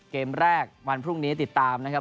เกมแรกวันพรุ่งนี้ติดตามนะครับ